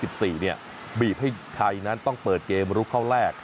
บีบให้ไทยนั้นต้องเปิดเกมลุกเข้าแรก